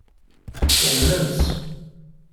Umnen-tt.